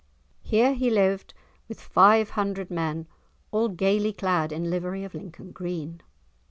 Here he lived with five hundred men, all gaily clad in livery of Lincoln green.